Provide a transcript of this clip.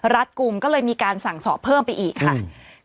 รัฐกลุ่มก็เลยมีการสั่งสอบเพิ่มไปอีกค่ะ